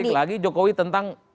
kritik lagi jokowi tentang